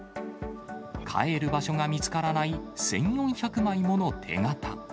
帰る場所が見つからない１４００枚もの手形。